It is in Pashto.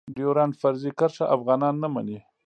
ډيورنډ فرضي کرښه افغانان نه منی.